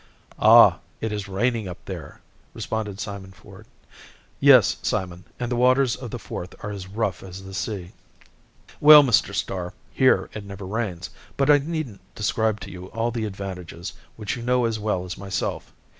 "Ah, it is raining up there," responded Simon Ford. "Yes, Simon, and the waters of the Forth are as rough as the sea." "Well, Mr. Starr, here it never rains. But I needn't describe to you all the advantages, which you know as well as myself.